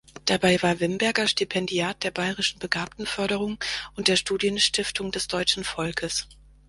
Dabei war Wimberger Stipendiat der Bayerischen Begabtenförderung und der Studienstiftung des Deutschen Volkes.